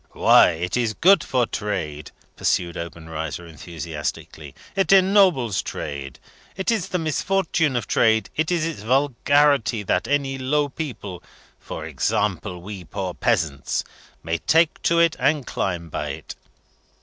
"Why, it is good for trade!" pursued Obenreizer, enthusiastically. "It ennobles trade! It is the misfortune of trade, it is its vulgarity, that any low people for example, we poor peasants may take to it and climb by it.